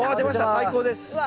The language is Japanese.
最高です。